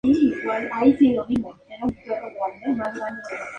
Luego enseñó en Nebraska y recibió una beca Fulbright para ampliar estudios en Inglaterra.